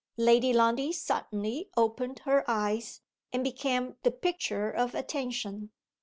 Lady Lundie suddenly opened her eyes, and became the picture of attention.